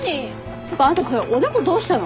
ていうかあんたそれおでこどうしたの？